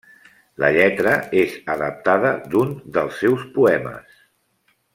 La lletra és adaptada d'un dels seus poemes.